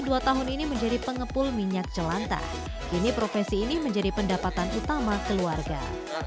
dua tahun ini menjadi pengepul minyak celanta kini profesi ini menjadi pendapatan utama keluarga